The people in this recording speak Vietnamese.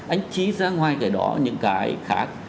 anh chị ra ngoài cái đó những cái khác